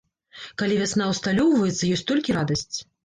Калі вясна ўсталёўваецца, ёсць толькі радасць.